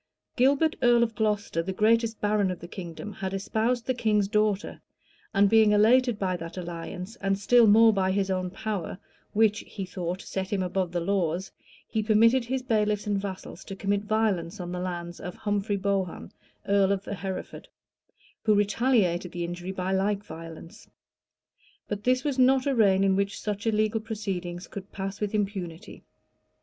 Gilbert, earl of Glocester, the greatest baron of the kingdom, had espoused the king's daughter; and being elated by that alliance, and still more by his own power, which, he thought, set him above the laws, he permitted his bailiffs and vassals to commit violence on the lands of Humphrey Bohun, earl of Hereford, who retaliated the injury by like violence. But this was not a reign in which such illegal proceedings could pass with impunity.